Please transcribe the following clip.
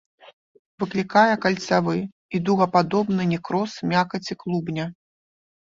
Выклікае кальцавы і дугападобны некроз мякаці клубня.